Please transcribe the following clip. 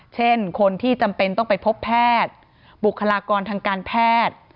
เช่นคนที่จำเป็นต้องไปพบแพทย์บุคลากรทางการแพทย์